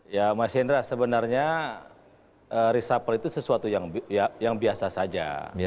ya mas hendra sebenarnya reshuffle itu sesuatu yang biasa saja